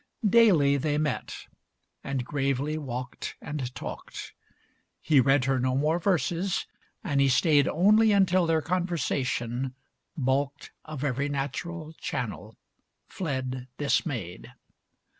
XLIII Daily they met. And gravely walked and talked. He read her no more verses, and he stayed Only until their conversation, balked Of every natural channel, fled dismayed.